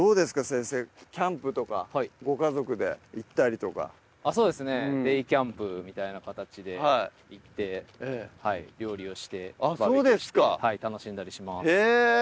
先生キャンプとかご家族で行ったりとかそうですねデーキャンプみたいな形で行って料理をしてバーベキューして楽しんだりしますへぇ！